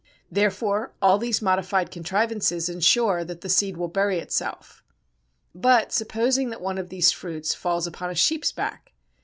Therefore all these modified contrivances ensure that the seed will bury itself. But supposing that one of these fruits falls upon a sheep's back.